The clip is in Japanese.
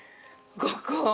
ここ！